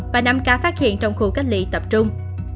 và năm ca phát hiện trong khu cách ly tập trung